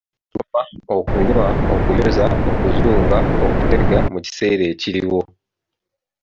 Okusoma, okunywa, okuyoza, okuzunga, okutega mu kiseera ekiriwo.